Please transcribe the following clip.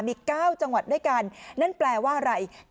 มี๙จังหวัดด้วยกันนั่นแปลว่าอะไร